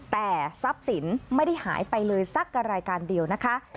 แต่ทรัพย์สินไม่ได้หายไปเลยสักรายการเดียวนะคะ